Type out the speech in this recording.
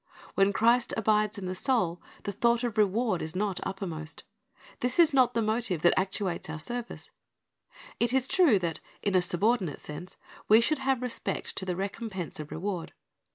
When Christ abides in the soul, the thought of reward is not uppermost. This is not the motive that actuates our service. It is true that, in a subordinate sense, we should have re spect to the recom pense of reward.